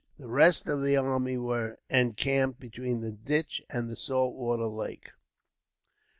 The rest of the army were encamped between the ditch and the saltwater lake.